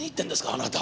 あなた。